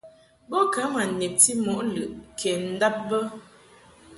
Bo ka ma nebti mɔ lɨʼ kɛ ndab bə.